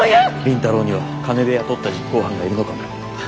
倫太郎には金で雇った実行犯がいるのかも。